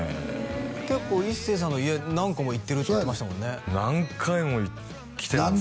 結構一生さんの家何個も行ってるって言ってましたもんね何回も来てますよね